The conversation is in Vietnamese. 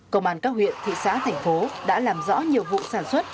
công an các huyện thị xã thành phố đã làm rõ nhiều vụ sản xuất